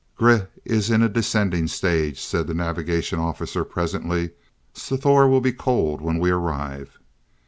"Grih is in a descendant stage," said the navigation officer presently. "Sthor will be cold when we arrive."